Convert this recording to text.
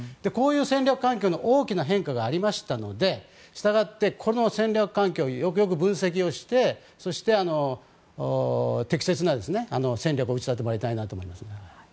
こういう戦略環境の大きな変化がありましたのでしたがってこの戦略環境をよくよく分析してそして、適切な戦略を打ち立てたいなと思いますね。